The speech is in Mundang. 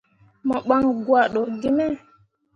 Mo ɓan gwado gi me.